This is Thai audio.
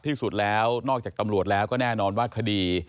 ที่สุดแล้วนอกจากตำรวจแล้วก็แน่นอนว่าคดี